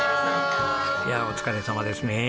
いやあお疲れさまですね。